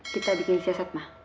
kita dikiris siasat ma